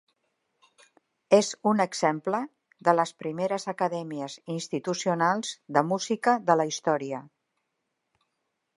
És un exemple de les primeres acadèmies institucionals de música de la història.